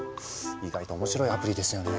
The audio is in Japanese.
意外と面白いアプリですよね。